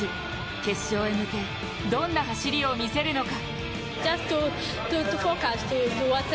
決勝へ向けどんな走りを見せるのか。